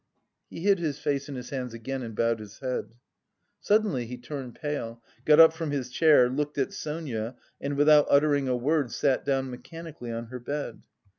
He hid his face in his hands again and bowed his head. Suddenly he turned pale, got up from his chair, looked at Sonia, and without uttering a word sat down mechanically on her bed.